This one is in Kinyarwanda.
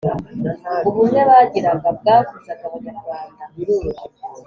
Ubumwe bagiraga bwahuzaga Abanyarwanda.